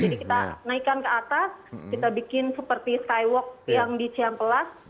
jadi kita naikkan ke atas kita bikin seperti skywalk yang di ciang pelas